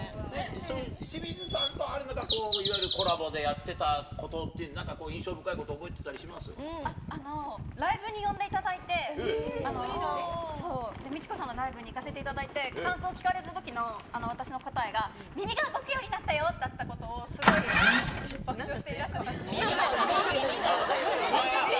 清水さんとハルカさんはいわゆるコラボってやってたことっていうのは、なんか印象深いこと、ライブに呼んでいただいて、そう、で、ミチコさんのライブに行かせていただいて、感想聞かれたときの私の答えが耳が動くようになったよっていうことをすごい爆笑していらっしゃって。なんて？